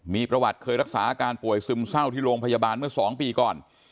มีประวัติเคยรักษาอาการป่วยซึมเศร้าที่โรงพยาบาลเมื่อ๒ปีก่อน